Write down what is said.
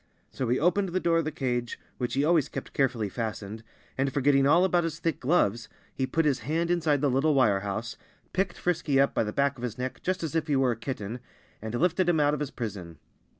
So he opened the door of the cage, which he always kept carefully fastened, and forgetting all about his thick gloves he put his hand inside the little wire house, picked Frisky up by the back of his neck, just as if he were a kitten, and lifted him out of his prison.